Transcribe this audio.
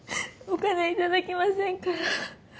お金頂きませんから。